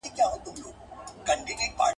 خدای زموږ په رزق کي برکت اچوي.